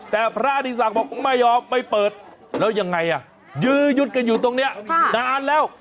แต่พระอดีศักดิ์บอกไม่ยอมไม่เปิดแล้วยังไงยื้อยุดกันอยู่ตรงนี้นานแล้ว